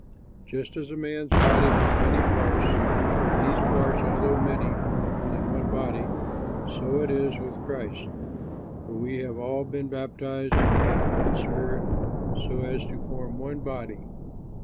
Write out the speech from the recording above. Just as a man's body has many parts, and these parts, although many, form only one body, so it is with Christ. For we have all been baptized by the one Spirit so as to form one body.